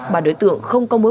ba đối tượng không có mối quan hệ